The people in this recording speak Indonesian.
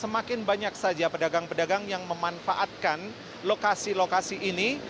semakin banyak saja pedagang pedagang yang memanfaatkan lokasi lokasi ini